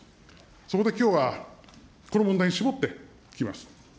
そこできょうは、この問題に絞って聞きます。